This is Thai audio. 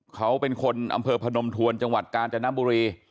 เขาเป็นคนอำเภอพนมทวนจังหวัดกาญจนบุรี